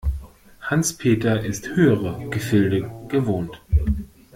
Hans-Peter ist höhere Gefilde gewohnt.